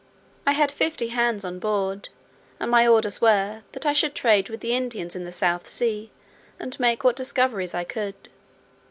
I had fifty hands on board; and my orders were, that I should trade with the Indians in the South Sea, and make what discoveries I could.